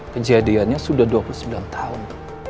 kejadiannya sudah dua puluh sembilan tahun